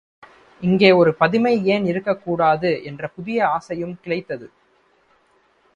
இங்கே ஒரு பதுமை ஏன் இருக்கக் கூடாது என்ற புதிய ஆசையும் கிளைத்தது.